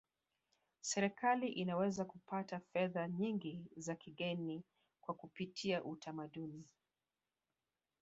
serikali inaweza kupata fedha nyingi za kigeni kwa kupitia utamaduni